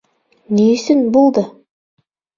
Ни өсөн «булды»?